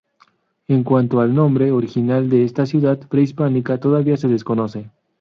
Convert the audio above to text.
En cuanto al nombre original de esta ciudad prehispánica todavía se desconoce.